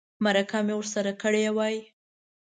مرکه مې ورسره کړې وای.